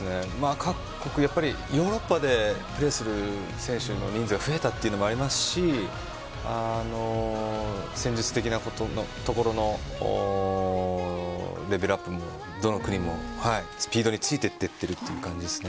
各国、ヨーロッパでプレーする選手の人数が増えたというのもありますし戦術的なところのレベルアップもどの国もスピードについていっているという感じですね。